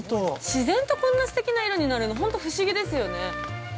◆自然とこんなすてきな色になるの、本当に不思議ですよね。